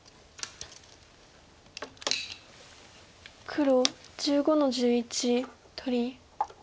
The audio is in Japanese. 黒１５の十一取り。